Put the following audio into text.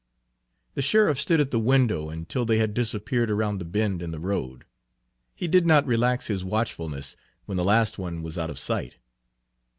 The sheriff stood at the window until they had disappeared around the bend in the road. He did not relax his watchfulness when the last one was out of sight.